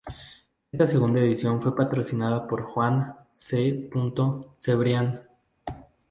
Esta segunda edición fue patrocinada por Juan C. Cebrián.